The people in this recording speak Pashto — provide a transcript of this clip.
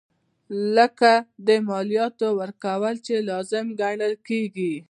لکه د مالیاتو ورکول چې لازم ګڼل کیږي.